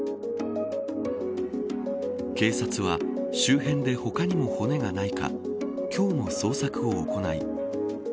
警察は周辺で他にも骨がないか今日も捜索を行い